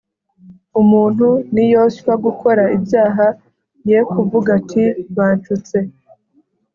Umuntu niyoshywa gukora ibyaha ye kuvuga ati bancutse.